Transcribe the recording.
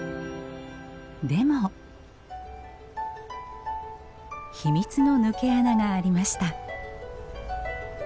でも秘密の抜け穴がありました。